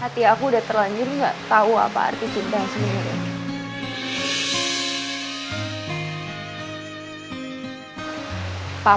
hati aku udah terlanjur gak tau apa arti cinta sendiri